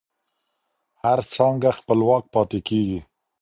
هر څانګه خپلواک پاتې کیږي.